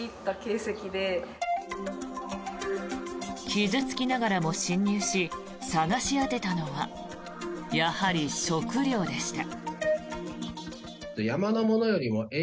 傷付きながらも侵入し探し当てたのはやはり食料でした。